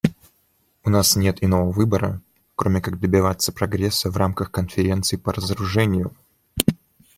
У нас нет иного выбора, кроме как добиваться прогресса в рамках Конференции по разоружению.